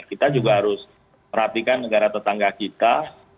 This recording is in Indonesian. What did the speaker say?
kita juga harus perhatikan negara tetangga kita